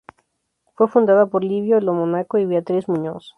Fue fundada por Livio Lo Monaco y Beatriz Muñoz.